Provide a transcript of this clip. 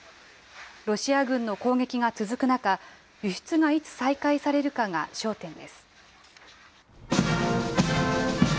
ロシア軍の攻撃が続く中、輸出がいつ再開されるかが焦点です。